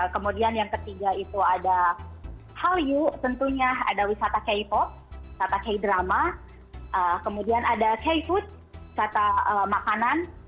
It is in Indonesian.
kemudian yang ketiga itu ada hallyu tentunya ada wisata k pop wisata k drama kemudian ada k food wisata makanan